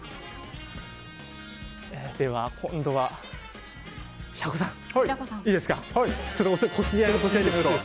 今度は平子さん、いいですか。